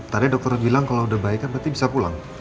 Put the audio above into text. tadi dokter bilang kalau udah baik kan berarti bisa pulang